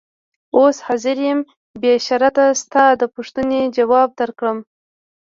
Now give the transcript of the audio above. اوس حاضر یم بې شرطه ستا د پوښتنې ځواب درکړم.